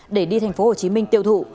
để đi tp hcm tiêu thụ